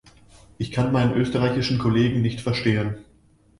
Ich kann meine österreichischen Kollegen nicht verstehen.